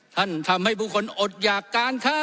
ท่านทำให้บุคคลอดหยากการค่า